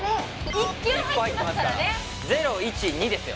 １球入ってますからね・０１２ですよ・